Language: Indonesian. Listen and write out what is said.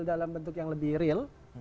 dalam bentuk yang lebih real